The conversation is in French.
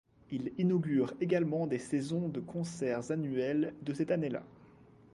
Il inaugure également des saisons de concerts annuels de cette année-là.